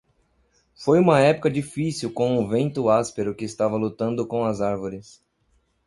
Foi uma época difícil com o vento áspero que estava lutando com as árvores.